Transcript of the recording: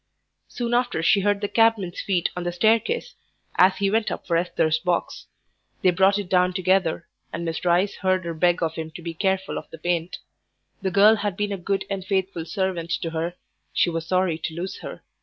Soon after she heard the cabman's feet on the staircase as he went up for Esther's box. They brought it down together, and Miss Rice heard her beg of him to be careful of the paint. The girl had been a good and faithful servant to her; she was sorry to lose her.